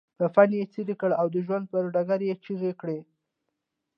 کفن يې څيري کړ او د ژوند پر ډګر يې چيغه کړه.